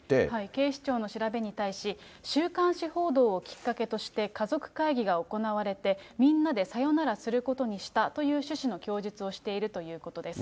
警視庁の調べに対し、週刊誌報道をきっかけとして家族会議が行われて、みんなでサヨナラすることにしたという趣旨の供述をしているということです。